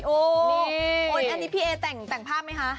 โอ้โหคุณอันนี้พี่เอแต่งภาพไหมคะ